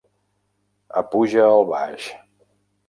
Apuja el baix.